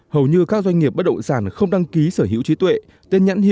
hầu như các doanh nghiệp bất động sản không đăng ký sở hữu trí tuệ